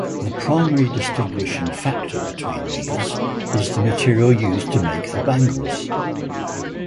The primary distinguishing factor between these is the material used to make the bangles.